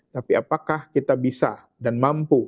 tapi apakah kita bisa dan mampu